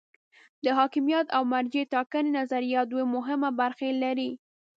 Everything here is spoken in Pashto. د حاکمیت او مرجع ټاکنې نظریه دوه مهمې برخې لري.